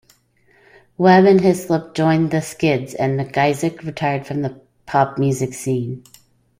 Webb and Hyslop joined The Skids, and McIsaac retired from the pop music scene.